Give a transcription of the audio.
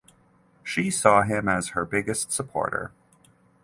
She saw him as her biggest supporter.